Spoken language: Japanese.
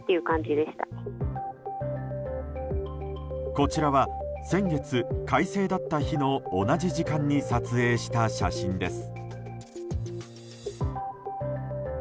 こちらは先月、快晴だった日の同じ時間に撮影した写真です。